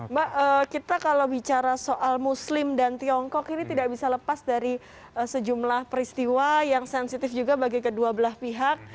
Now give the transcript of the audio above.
mbak kita kalau bicara soal muslim dan tiongkok ini tidak bisa lepas dari sejumlah peristiwa yang sensitif juga bagi kedua belah pihak